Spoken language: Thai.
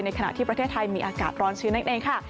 ขณะที่ประเทศไทยมีอากาศร้อนชื้นนั่นเองค่ะ